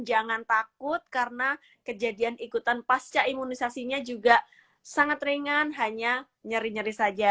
jangan takut karena kejadian ikutan pasca imunisasinya juga sangat ringan hanya nyeri nyeri saja